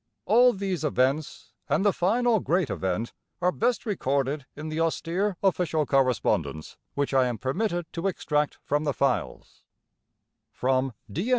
All these events, and the final great event, are best recorded in the austere official correspondence which I am permitted to extract from the files: From D.